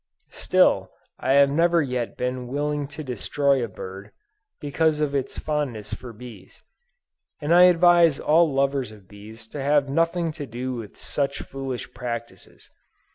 Still, I have never yet been willing to destroy a bird, because of its fondness for bees; and I advise all lovers of bees to have nothing to do with such foolish practices.